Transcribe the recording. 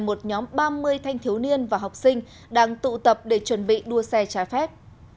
một nhóm ba mươi thanh thiếu niên và học sinh đang tụ tập để chuẩn bị đua xe trái phép